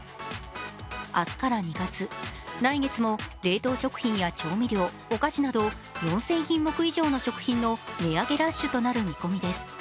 明日から２月、来月も冷凍食品や調味料、お菓子など４０００品目以上の食品の値上げラッシュとなる見込みです。